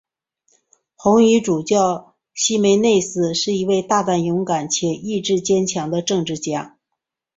红衣主教希梅内斯是一位大胆勇敢且意志坚强的政治家。